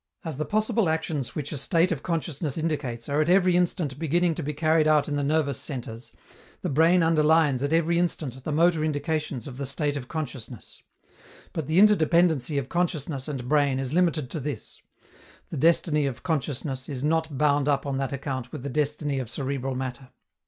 As the possible actions which a state of consciousness indicates are at every instant beginning to be carried out in the nervous centres, the brain underlines at every instant the motor indications of the state of consciousness; but the interdependency of consciousness and brain is limited to this; the destiny of consciousness is not bound up on that account with the destiny of cerebral matter.